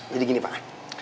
jadi gini pak